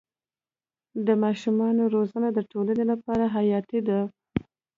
د ماشومانو روزنه د ټولنې لپاره حیاتي ده.